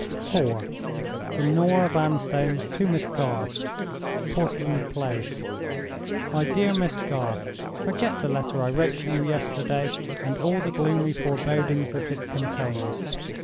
IV. From Norah Vanstone to Miss Garth. "Portland Place. "MY DEAR MISS GARTH, "Forget the letter I wrote to you yesterday, and all the gloomy forebodings that it contains.